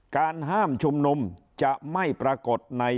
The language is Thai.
การห้ามชุมนุมจะไม่ปรากฏใน